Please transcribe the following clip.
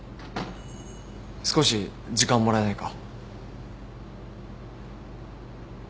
少し時間もらえないか？